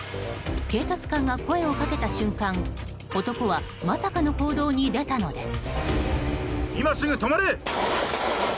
警察官が声をかけた瞬間男はまさかの行動に出たのです。